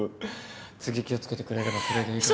次気を付けてくれればそれでいいから。